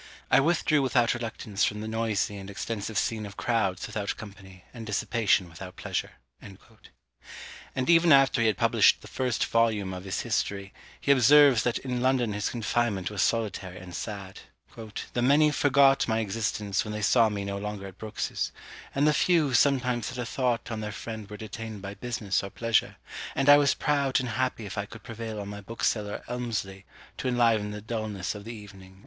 I withdrew without reluctance from the noisy and extensive scene of crowds without company, and dissipation without pleasure." And even after he had published the first volume of his History, he observes that in London his confinement was solitary and sad; "the many forgot my existence when they saw me no longer at Brookes's, and the few who sometimes had a thought on their friend were detained by business or pleasure, and I was proud and happy if I could prevail on my bookseller, Elmsly, to enliven the dulness of the evening."